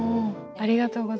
ありがとうございます。